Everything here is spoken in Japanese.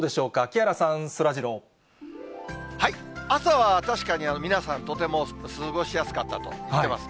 木原さん、朝は確かに皆さん、とても過ごしやすかったと言っています。